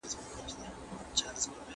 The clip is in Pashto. د چا د زړه د وینو رنګ پکار و